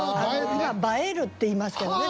今「映える」って言いますけどね